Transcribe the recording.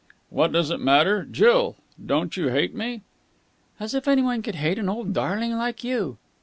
"What does it matter! Jill, don't you hate me?" "As if anyone could hate an old darling like you!"